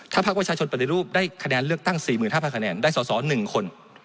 ถ้าพักวัชชนปฏิรูปได้คะแนนเลือกตั้ง๔๕๐๐๐คะแนนได้สอ๑คน